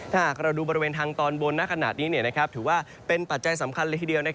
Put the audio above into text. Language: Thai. ถ้าหากเราดูบริเวณทางตอนบนขนาดนี้ถือว่าเป็นปัจจัยสำคัญเลยทีเดียว